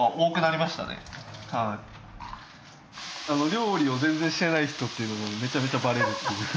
料理を全然してない人っていうのがめちゃめちゃバレるっていう。